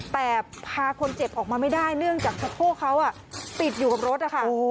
แต่พาคนเจ็บออกมาไม่ได้เนื่องจากสะโพกเขาติดอยู่กับรถนะคะ